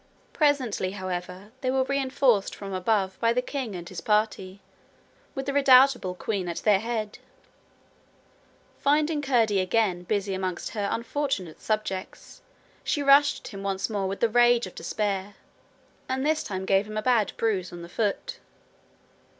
Presently, however, they were reinforced from above by the king and his party, with the redoubtable queen at their head. Finding Curdie again busy amongst her unfortunate subjects, she rushed at him once more with the rage of despair, and this time gave him a bad bruise on the foot.